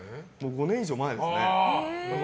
５年以上前ですね。